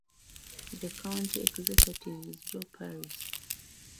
The County Executive is Joe Parisi.